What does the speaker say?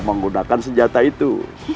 menggunakan senjata itu